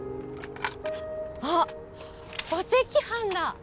あっお赤飯だ！